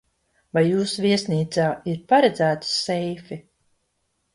Vai jūsu viesnīcā ir paredzēti seifi?